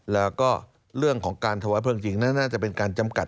แล้วก็เรื่องของการถวายเพลิงจริงน่าจะเป็นการจำกัด